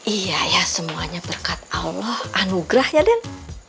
iya ya semuanya berkat allah anugerah ya den